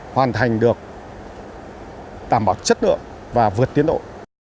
hoàn thành được đảm bảo chất lượng và vượt tiến độ